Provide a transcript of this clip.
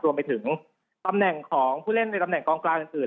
รวมไปถึงตำแหน่งของผู้เล่นในตำแหนกองกลางอื่น